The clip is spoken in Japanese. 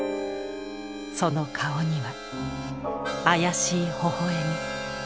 その顔には妖しいほほ笑み。